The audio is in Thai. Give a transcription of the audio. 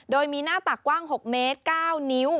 โดยมีหน้าตักกว้าง๖เมตร๙นิ้ว